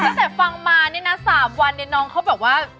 ตั้งแต่ฟังมาเนี่ยนะ๓วันเนี่ยน้องเขาแบบว่า